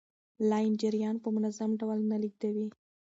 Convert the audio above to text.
لین جریان په منظم ډول نه لیږدوي.